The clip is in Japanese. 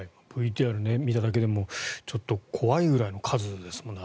ＶＴＲを見ただけでもちょっと怖いぐらいの数ですもんね。